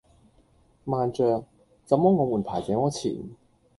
慢著！怎麼我們排這麼前